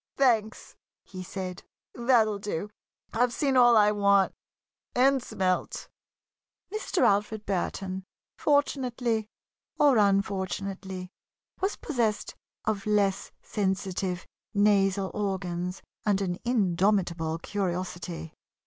"Thanks!" he said. "That'll do! I've seen all I want and smelt!" Mr. Alfred Burton, fortunately or unfortunately, was possessed of less sensitive nasal organs and an indomitable curiosity.